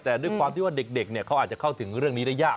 แต่ด้วยความที่ว่าเด็กเขาอาจจะเข้าถึงเรื่องนี้ได้ยาก